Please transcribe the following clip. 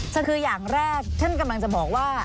คืออย่างแรกท่านกำลังจะบอกว่า